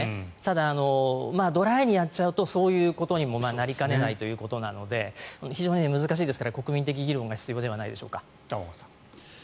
ただ、ドライにやっちゃうとそういうことにもなりかねないということで非常に難しいですから国民的議論が玉川さん。